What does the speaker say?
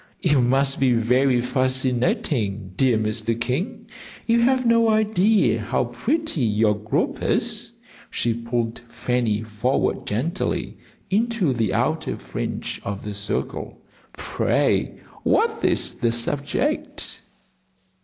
"You must be very fascinating, dear Mr. King; you have no idea how pretty your group is." She pulled Fanny forward gently into the outer fringe of the circle. "Pray, what is the subject?"